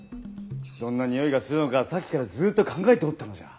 どんなにおいがするのかさっきからずっと考えておったのじゃ。